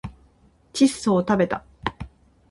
窒素をたべた